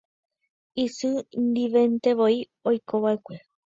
Isy ndiventevoi oikovaʼekue.